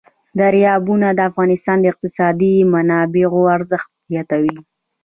دریابونه د افغانستان د اقتصادي منابعو ارزښت زیاتوي.